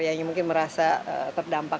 yang mungkin merasa terdampak